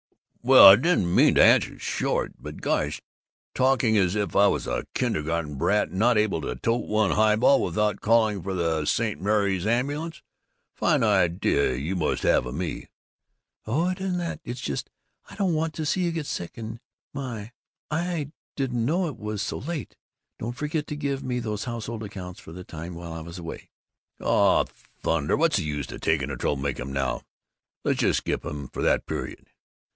"Well, I didn't mean to answer short, but gosh, talking as if I was a kindergarten brat, not able to tote one highball without calling for the St. Mary's ambulance! A fine idea you must have of me!" "Oh, it isn't that; it's just I don't want to see you get sick and My, I didn't know it was so late! Don't forget to give me those household accounts for the time while I was away." "Oh, thunder, what's the use of taking the trouble to make 'em out now? Let's just skip 'em for that period."